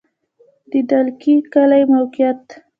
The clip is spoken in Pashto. د دلکي کلی موقعیت